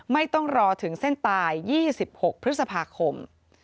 ไม่ต้องรอถึงเส้นตาย๒๖พฤษภาคม